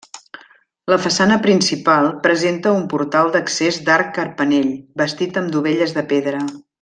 La façana principal presenta un portal d'accés d'arc carpanell, bastit amb dovelles de pedra.